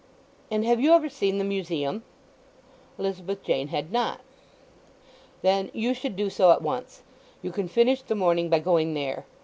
"And have you ever seen the Museum?" Elizabeth Jane had not. "Then you should do so at once. You can finish the morning by going there.